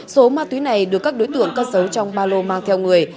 số ma túy này được các đối tượng cất giấu trong ba lô mang theo người